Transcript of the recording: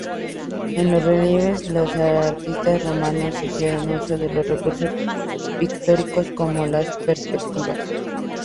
En los relieves, los artistas romanos hicieron uso de recursos pictóricos como las perspectivas.